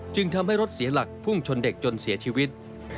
จึงทำให้รถเสียหลักพุ่งชนเด็กจนเสียชีวิต